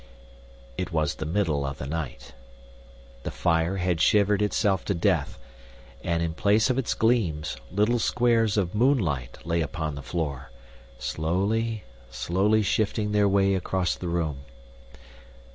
It was the middle of the night. The fire had shivered itself to death, and, in place of its gleams, little squares of moonlight lay upon the floor, slowly, slowly shifting their way across the room.